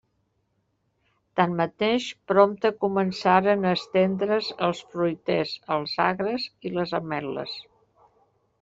Tanmateix, prompte començaren a estendre's els fruiters, els agres i les ametles.